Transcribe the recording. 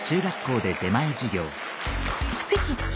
「フクチッチ」。